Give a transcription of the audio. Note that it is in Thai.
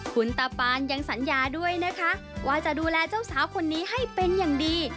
คุณตาปานยังสัญญาด้วยนะคะว่าจะดูแลเจ้าสาวคนนี้ให้เป็นอย่างดี